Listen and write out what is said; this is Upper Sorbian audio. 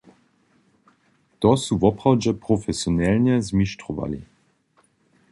To su woprawdźe profesionelnje zmištrowali.